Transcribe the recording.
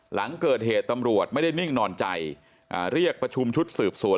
หลังเกิดเหตุตำรวจไม่ได้นิ่งนอนใจเรียกประชุมชุดสืบสวน